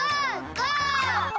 ゴー！